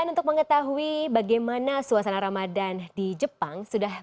dan untuk mengetahui bagaimana suasana ramadan di jepang sudah berlaku